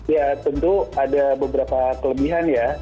ya tentu ada beberapa kelebihan ya